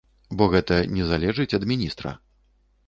Бо гэта не залежыць ад міністра.